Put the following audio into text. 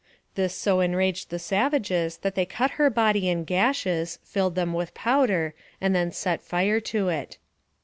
This so enraged the savages that they cut her body in gashes, filled them with powder, and then set fire to it.